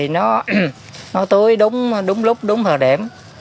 nó tưới đúng lúc đúng thời điểm